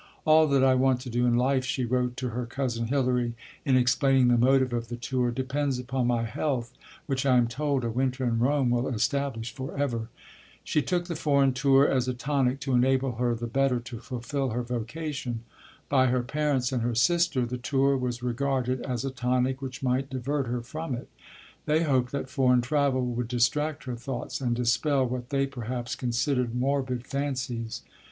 "All that I want to do in life," she wrote to her cousin Hilary, in explaining the motive of the tour, "depends upon my health, which, I am told, a winter in Rome will establish for ever." She took the foreign tour as a tonic to enable her the better to fulfil her vocation. By her parents and her sister the tour was regarded as a tonic which might divert her from it. They hoped that foreign travel would distract her thoughts, and dispel what they perhaps considered morbid fancies.